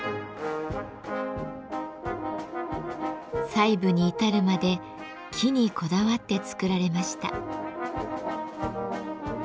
細部に至るまで木にこだわって作られました。